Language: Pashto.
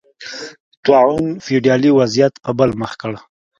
طاعون فیوډالي وضعیت په بل مخ کړ.